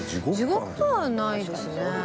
地獄ではないですね